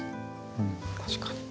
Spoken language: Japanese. うん確かに。